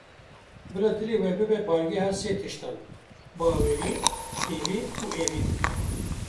Bila dilê we bibe baregeha sê tiştan; bawerî, hêvî û evîn.